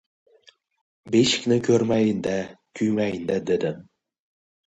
Beshikni ko‘rmayin-da, kuymayin-da, dedim